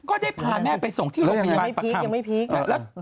ก็ได้พาแม่ไปส่งที่โรงพยาบาล